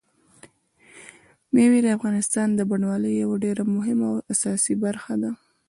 مېوې د افغانستان د بڼوالۍ یوه ډېره مهمه او اساسي برخه ده.